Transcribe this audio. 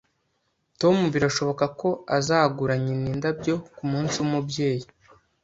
Tom birashoboka ko azagura nyina indabyo kumunsi wumubyeyi.